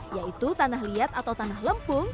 yaitu tanah liat atau tanah lempung